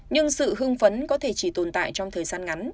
nhưng sự hưng phấn có thể chỉ tồn tại trong thời gian ngắn